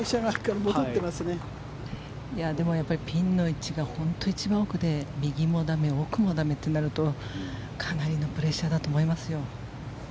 でもやっぱりピンの位置が本当に一番奥で右も駄目、奥も駄目となるとかなりのプレッシャーだと思いますよ。